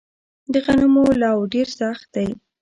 د غنمو لوو ډیر سخت دی